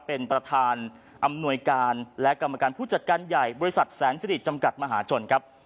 เป็นประธานอำนวยการและกรรมการผู้จัดการใหญ่บริษัทแสนสิริจำกัดมหาชนครับ